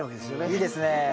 いいですね。